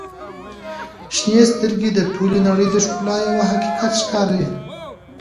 • شنې سترګې د ټولې نړۍ د ښکلا یوه حقیقت ښکاري.